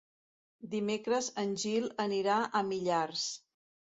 Dimecres en Gil anirà a Millars.